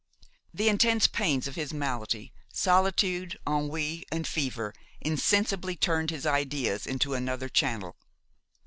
The intense pains of his malady, solitude, ennui and fever insensibly turned his ideas into another channel.